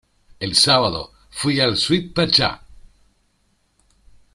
El sábado fui al Sweet Pachá.